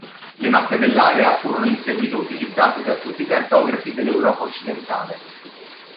Le mappe dell'area furono in seguito utilizzate da tutti i cartografi dell'Europa occidentale.